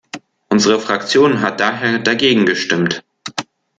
Unsere Fraktion hat daher dagegen gestimmt.